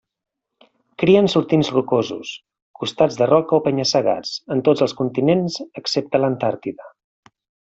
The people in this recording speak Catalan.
Cria en sortints rocosos, costats de roca o penya-segats, en tots els continents excepte l'Antàrtida.